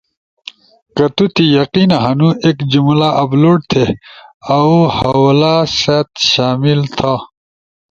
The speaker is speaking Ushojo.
کہ تو تی یقین ہنو ایک جملہ اپلوڈ تھی، اؤ حوالہ سأت شامل تھا۔